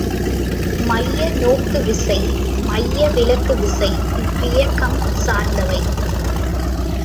மைய நோக்குவிசை, மைய விலக்குவிசை இவ்வியக்கம் சார்ந்தவை.